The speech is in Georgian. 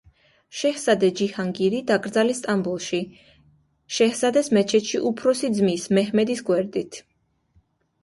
შეჰზადე ჯიჰანგირი დაკრძალეს სტამბოლში, შეჰზადეს მეჩეთში უფროსი ძმის, მეჰმედის გვერდით.